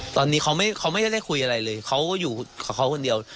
ตอนนี้เขาไม่ได้คุยอะไรเลยเขาอยู่กับเขาคนเดียว